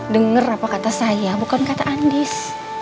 dengar apa kata saya bukan kata andis